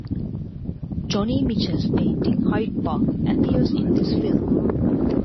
Joni Mitchell's painting "Hyde Park" appears in this film.